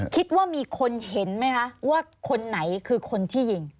คิดว่ามีคนเห็นไหมคะว่าคนไหนคือคนที่ยิง